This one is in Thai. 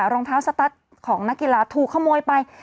รองเท้าสตัสของนักกีฬาถูกขโมยไป